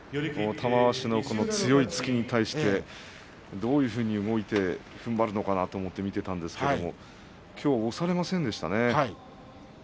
玉鷲の強い突きに対してどういうふうに動いてふんばるのかなと思って見ていたんですけれどきょうは押されませんでしたね。